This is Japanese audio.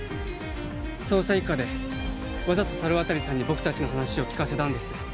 捜査一課でわざと猿渡さんに僕達の話を聞かせたんです